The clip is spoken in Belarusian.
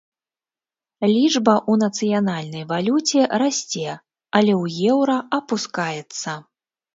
Лічба ў нацыянальнай валюце расце, але ў еўра апускаецца.